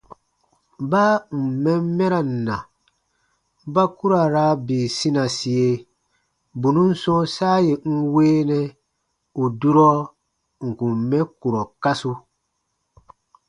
Baa ǹ n mɛn mɛran na, ba ku ra raa bii sinasie bù nùn sɔ̃ɔ saa yè n weenɛ ù durɔ n kùn mɛ kurɔ kasu.